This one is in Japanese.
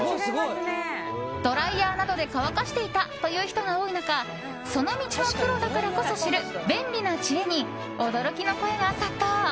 ドライヤーなどで乾かしていたという人が多い中その道のプロだからこそ知る便利な知恵に、驚きの声が殺到。